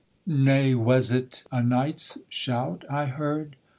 Nay, was it a knight's shout I heard?